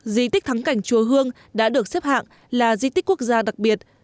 di tích thắng cảnh chùa hương đã được xếp hạng là di tích quốc gia đặc biệt